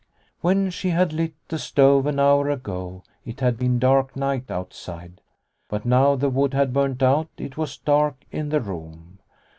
When she had lit the stove an hour ago it had been dark night outside, but now the wood had burnt out it was dark in the room.